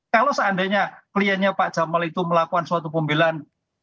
kalau seandainya kliennya pak jamal itu melakukan suatu pembelaan